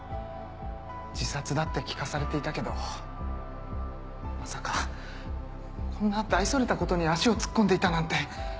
自殺だって聞かされていたけどまさかこんな大それたことに足を突っ込んでいたなんて。